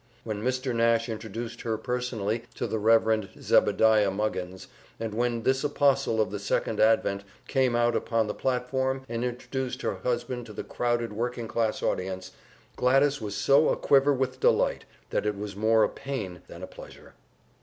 When Mr. Nash introduced her personally to the Rev. Zebediah Muggins, and when this apostle of the second advent came out upon the platform and introduced her husband to the crowded working class audience, Gladys was so a quiver with delight that it was more a pain than a pleasure.